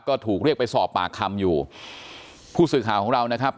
ก็ถูกเรียกไปสอบปากคำอยู่ผู้สื่อข่าวของเรานะครับ